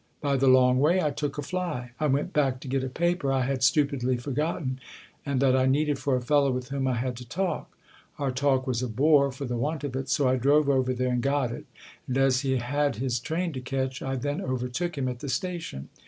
"" By the long way ? I took a fly. I went back to get a paper I had stupidly forgotten and that I needed for a fellow with whom I had to talk. Our talk was a bore for the want of it, so I drove over there and got it, and, as he had his train to catch, I then overtook him at the station.